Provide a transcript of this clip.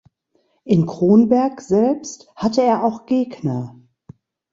In Kronberg selbst hatte er auch Gegner.